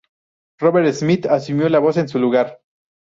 Robert Smith asumió la voz en su lugar.